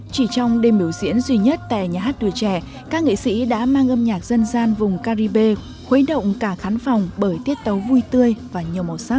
chỉ trong đêm biểu diễn duy nhất tại nhà hát tuổi trẻ các nghệ sĩ đã mang âm nhạc dân gian vùng caribe khuấy động cả khán phòng bởi tiết tấu vui tươi và nhiều màu sắc